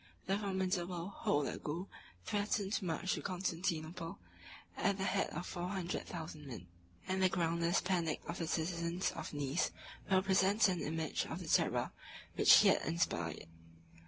The formidable Holagou threatened to march to Constantinople at the head of four hundred thousand men; and the groundless panic of the citizens of Nice will present an image of the terror which he had inspired.